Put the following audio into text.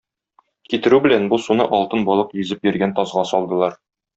Китерү белән, бу суны алтын балык йөзеп йөргән тазга салдылар.